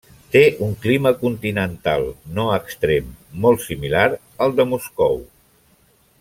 Té un clima continental no extrem, molt similar al de Moscou.